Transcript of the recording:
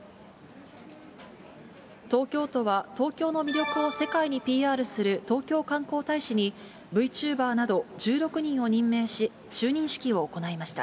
東京都は、東京の魅力を世界にＰＲする東京観光大使に、Ｖチューバーなど１６人を任命し、就任式を行いました。